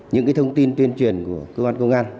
những thông tin tuyên truyền của cơ quan công an